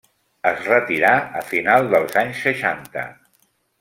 Es retirà a finals dels anys seixanta.